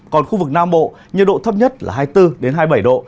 còn khu vực nam bộ nhiệt độ thấp nhất là hai mươi bốn hai mươi bảy độ